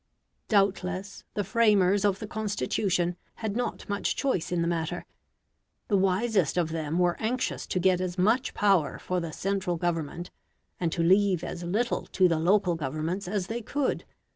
Doubtless the framers of the Constitution had not much choice in the matter. The wisest of them were anxious to get as much power for the central Government, and to leave as little to the local governments as they could.